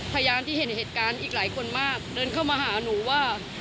พยานที่เห็นเหตุการณ์อีกหลายคนมากเดินเข้ามาหาหนูว่า